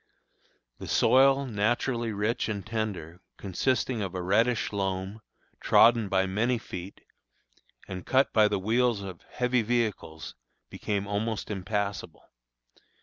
The soil, naturally rich and tender, consisting of a reddish loam, trodden by many feet, and cut by the wheels of heavy vehicles, became almost impassable.